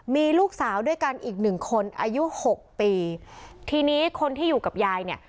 มีลูกสาวด้วยกันอีกหนึ่งคนอายุหกปีทีนี้คนที่อยู่กับยายเนี่ย